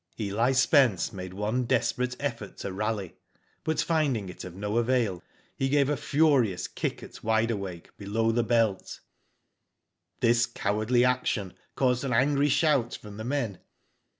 Eli Spence made one desperate effort to rally, but finding it of no avail, he gave a furious kick at Wide Awake below the belt. This cowardly action caused an angry shout from the men.